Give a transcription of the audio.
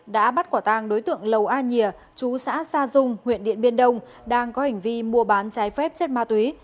đối tượng lầu a nhìa chú xã sa dung huyện điện biên đông đang có hình vi mua bán trái phép chất ma túy